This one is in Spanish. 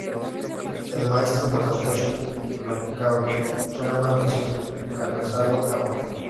El maestro Masatoshi Nakayama nació en Kanazawa, Japón.